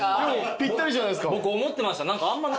ぴったりじゃないですか。